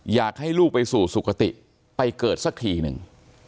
อยากให้ลูกไปสู่สุขติไปเกิดสักทีหนึ่ง